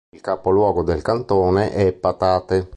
Il capoluogo del cantone è Patate.